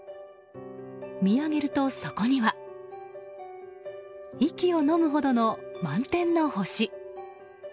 見上げるとそこには息をのむほどの満天の星。